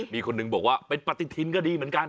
มีคนหนึ่งบอกว่าเป็นปฏิทินก็ดีเหมือนกัน